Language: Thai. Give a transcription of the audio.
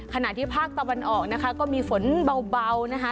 ขณะที่ภาคตะวันออกนะคะก็มีฝนเบานะคะ